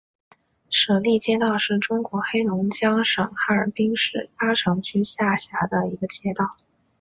舍利街道是中国黑龙江省哈尔滨市阿城区下辖的一个街道。